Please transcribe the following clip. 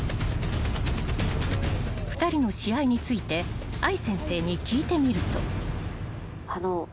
［２人の試合について愛先生に聞いてみると］